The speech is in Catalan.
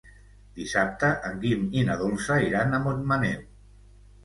Dissabte en Guim i na Dolça iran a Montmaneu.